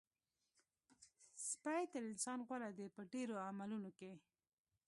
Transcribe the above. سپی تر انسان غوره دی په ډېرو عملونو کې.